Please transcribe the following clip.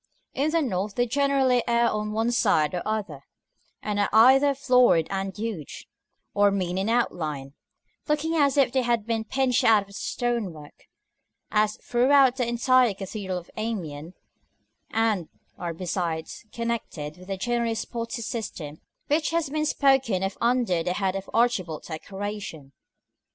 In the North they generally err on one side or other, and are either florid and huge, or mean in outline, looking as if they had been pinched out of the stonework, as throughout the entire cathedral of Amiens; and are besides connected with the generally spotty system which has been spoken of under the head of archivolt decoration.